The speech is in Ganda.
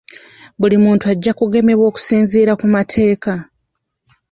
Buli muntu ajja kugemebwa okusinziira ku mateeka.